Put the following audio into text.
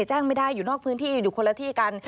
แจ้งไม่ได้อยู่นอกพื้นที่อยู่คนละที่กัน